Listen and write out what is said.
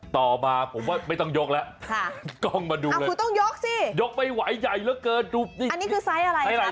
ต่อมาผมว่าไม่ต้องยกแล้วกล้องมาดูเลยคือต้องยกสิยกไม่ไหวใหญ่เหลือเกินดูนี่อันนี้คือไซส์อะไร